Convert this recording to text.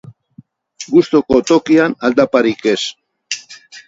Gustoko tokian aldaparik ez.